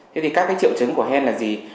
thế thì các triệu chứng của hen là gì